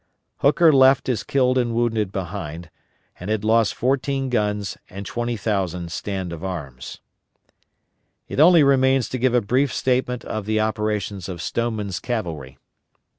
Hooker left his killed and wounded behind, and had lost 14 guns and 20,000 stand of arms. It only remains to give a brief statement of the operations of Stoneman's cavalry.